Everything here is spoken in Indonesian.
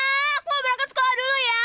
ya aku berangkat sekolah dulu ya